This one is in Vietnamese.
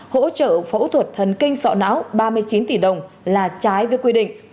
hỗ trợ phẫu thuật thần kinh sọ não ba mươi chín tỷ đồng là trái với quy định